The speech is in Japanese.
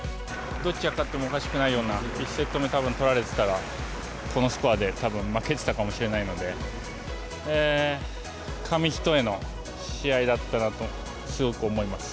どっちが勝ってもおかしくないような、１セット目、たぶん取られてたら、このスコアでたぶん、負けてたかもしれないので、紙一重の試合だったなと、すごく思います。